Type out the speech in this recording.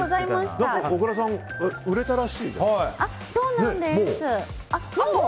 小倉さん、売れたらしいですね。